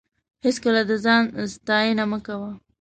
هېڅکله د ځان ستاینه مه کوه.